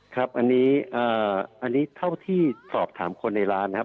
ครับอันนี้เท่าที่สอบถามคนในร้านนะครับ